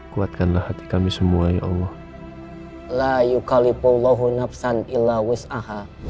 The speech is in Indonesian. kuatkanlah hati kami semua ya allah